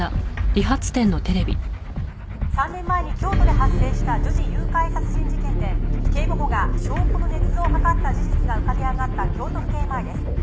「３年前に京都で発生した女児誘拐殺人事件で警部補が証拠の捏造を図った事実が浮かび上がった京都府警前です」